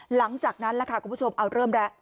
หลังจากนั้นล่ะค่ะคุณผู้ชมเอาเริ่มแล้ว